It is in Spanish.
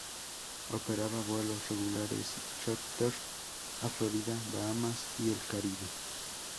Operaba vuelos regulares y chárter a Florida, Bahamas y el Caribe.